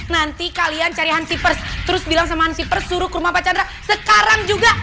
nanti kalian cari hanseepers terus bilang sama pers suruh ke rumah pak chandra sekarang juga